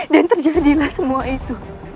dan terjadilah semua itu